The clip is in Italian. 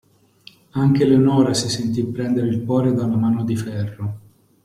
Anche Leonora si sentì prendere il cuore da una mano di ferro.